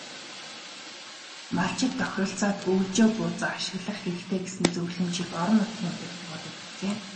Малчид тохиролцоод өвөлжөө бууцаа ашиглах хэрэгтэй гэсэн зөвлөмжийг орон нутгийн удирдлагуудад өгчээ.